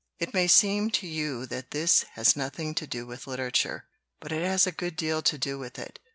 "It may seem to you that this has nothing to do with literature. But it has a good deal to do with it.